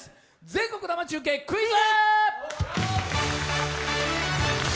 全国生中継クイズ！